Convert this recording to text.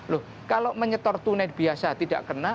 loh kalau menyetor tunai biasa tidak kena